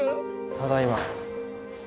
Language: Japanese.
ただいま。